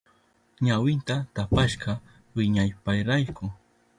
Ñawinta tapashka wiñaypayrayku.